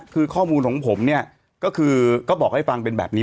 คือข้อมูลของผมเนี่ยก็คือก็บอกให้ฟังเป็นแบบนี้